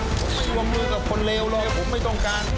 ผมไม่วงมือกับคนเลวเลยผมไม่ต้องการ